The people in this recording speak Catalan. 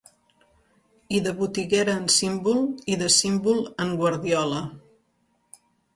I de botiguera en símbol, i de símbol en guardiola.